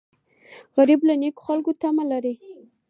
غریب له نیکو خلکو تمه لري